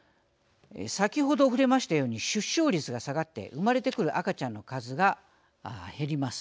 先ほど触れましたように出生率が下がって産まれてくる赤ちゃんの数が減ります。